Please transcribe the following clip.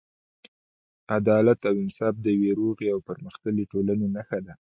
عدالت او انصاف د یوې روغې او پرمختللې ټولنې نښه ده.